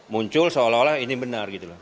muncul seolah olah ini benar